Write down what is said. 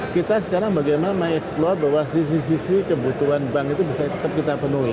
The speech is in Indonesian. kita sekarang bagaimana mengeksplor bahwa sisi sisi kebutuhan bank itu bisa tetap kita penuhi